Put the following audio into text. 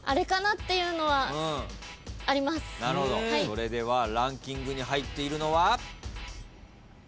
それではランキングに入っているのは？